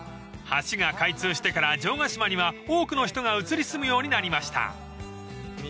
［橋が開通してから城ヶ島には多くの人が移り住むようになりました］